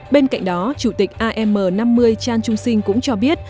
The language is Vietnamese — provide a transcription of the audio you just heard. bên cạnh đó chủ tịch am năm mươi chan chun sing cũng cho biết